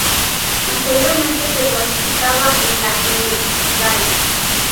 Anteriormente se clasificaba en la Emberizidae.